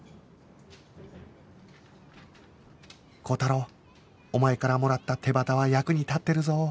高太郎お前からもらった手旗は役に立ってるぞ